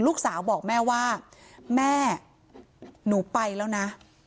ลูกสาวบอกแม่ว่าแม่หนูไปแล้วนะ